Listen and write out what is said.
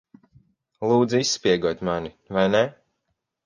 Lūdza izspiegot mani, vai ne?